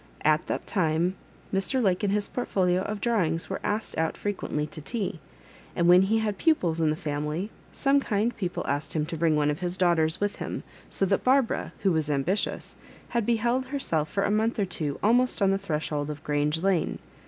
At that time Mr. Lake and his portfolio of drawings were asked out frequently to tea ; and when he had pupils in the family, some kind people asked him to bring one of his daughters with him — so that Barbara, who was ambitious, had beheld herself for a month or two almost on the thresh old of Grange Lane.